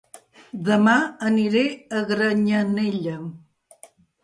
Dema aniré a Granyanella